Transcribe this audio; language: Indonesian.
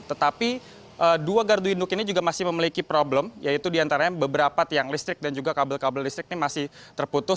tetapi dua gardu induk ini juga masih memiliki problem yaitu diantaranya beberapa tiang listrik dan juga kabel kabel listrik ini masih terputus